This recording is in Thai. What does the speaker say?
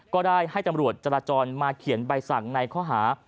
ก็ได้ให้ตำรวจจราจรมาเขียนใบสั่งในข้อหา